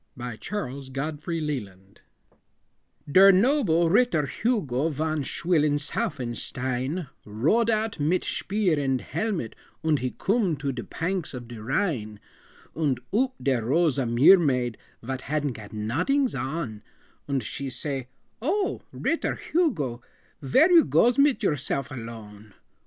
_ CHARLES GODFREY LELAND BALLAD Der noble Ritter Hugo Von Schwillensaufenstein, Rode out mit shpeer and helmet Und he coom to de panks of de Rhine Und oop dere rose a meer maid, Vot hadn't got nodings on, Und she say, "Oh, Ritter Hugo, Vhere you goes mit yourself alone?"